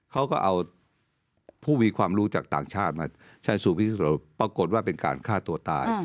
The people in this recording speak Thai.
เขาก็เอาผู้มีความรู้จากต่างชาติมาใช้สูตรพิสูจน์ปรากฏว่าเป็นการฆ่าตัวตาย